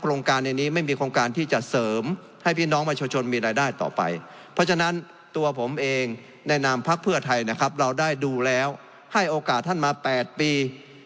โครงการในนี้ไม่มีโครงการที่จะเสริมให้พี่น้องประชาชนมีรายได้ต่อไป